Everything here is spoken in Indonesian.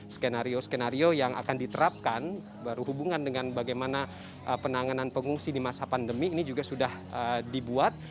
skenario skenario yang akan diterapkan baru hubungan dengan bagaimana penanganan pengungsi di masa pandemi ini juga sudah dibuat